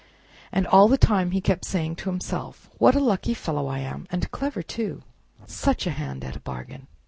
And all the time he kept saying to himself, "What a lucky fellow I am! and clever, too! Such a hand at a bargain!"